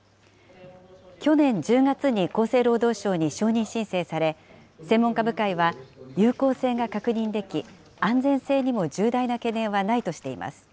去年１０月に厚生労働省に承認申請され、専門家部会は、有効性が確認でき、安全性にも重大な懸念はないとしています。